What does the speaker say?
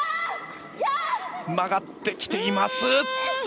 曲がってきています